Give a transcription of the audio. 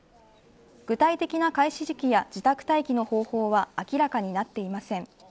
具体的な開始時期や自宅待機の方法は明らかになっていません。